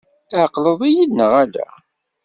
Tɛeqleḍ-iyi-d neɣ ala?